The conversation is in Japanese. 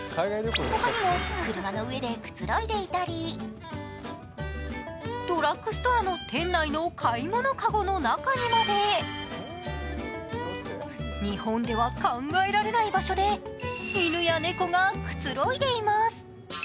他にも車の上でくつろいでいたりドラックストアの店内の買い物籠の中にまで日本では考えられない場所で犬や猫がくつろいでいます。